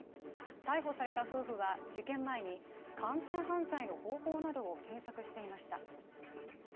逮捕された夫婦は事件前に完全犯罪の方法などを検索していました。